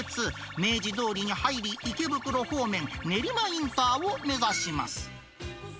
明治通りに入り、池袋方面、練馬インターを目指します。